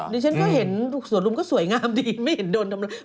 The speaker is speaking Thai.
ดิฉันก็เห็นสวนลุมก็สวยงามดีไม่เห็นโดนทำร้าย